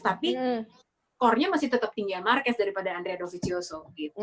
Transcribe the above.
tapi core nya masih tetap tinggi ya marquez daripada andreadovicioso gitu